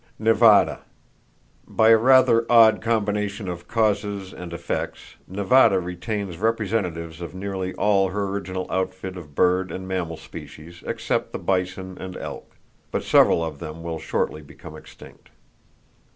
Nevada: By a rather odd combination of causes and effects, Nevada retains representatives of nearly all her original outfit of bird and mammal species except the bison and elk; but several of them will shortly become extinct.